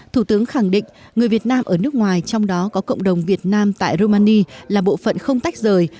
thủ tướng khẳng định người việt nam ở nước ngoài trong đó có cộng đồng việt nam tại romani là bộ phận không tách rời